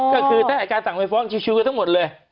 ก็คือถ้าอายการสั่งไปฟ้องชิวกันทั้งหมดเลย